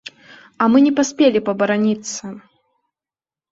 А мы не паспелі б абараніцца.